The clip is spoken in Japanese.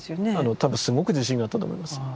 多分すごく自信があったと思います。